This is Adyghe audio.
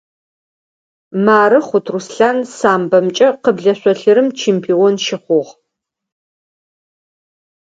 Мары Хъут Руслъан самбомкӀэ къыблэ шъолъырым чемпион щыхъугъ.